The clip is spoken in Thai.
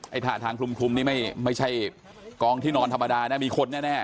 ท่าทางคลุมนี่ไม่ใช่กองที่นอนธรรมดานะมีคนแน่